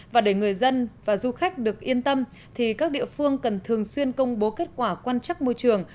và để người dân và du khách được yên tâm thì các địa phương cần thường xuyên công bố kết quả quan trắc môi trường